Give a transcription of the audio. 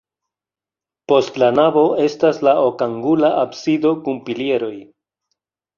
Post la navo estas la okangula absido kun pilieroj.